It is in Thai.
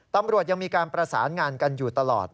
ตำรวจยังมีการประสานงานกันอยู่ตลอด